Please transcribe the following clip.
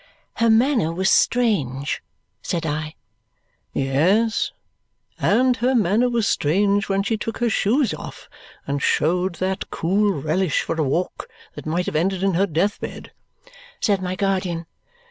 "Her manner was strange," said I. "Yes, and her manner was strange when she took her shoes off and showed that cool relish for a walk that might have ended in her death bed," said my guardian.